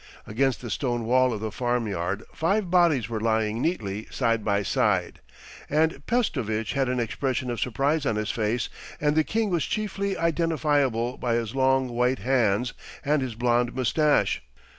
Against the stone wall of the farm yard five bodies were lying neatly side by side, and Pestovitch had an expression of surprise on his face and the king was chiefly identifiable by his long white hands and his blonde moustache.